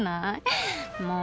もう。